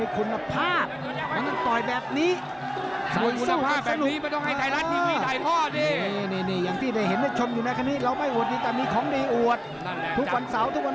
กับจอดมวยไทยรัฐโดยโปรมอเมอร์เตอร์ส่งชัยรัฐนสุบัน